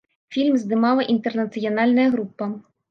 Фільм здымала інтэрнацыянальная група.